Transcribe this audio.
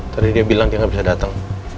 tadi dia bilang dia gabisa dateng